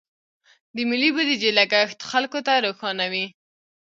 د ملي بودیجې لګښت خلکو ته روښانه وي.